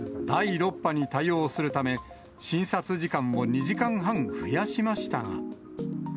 第６波に対応するため、診察時間を２時間半増やしましたが。